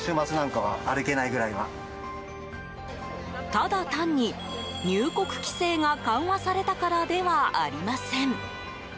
ただ単に、入国規制が緩和されたからではありません。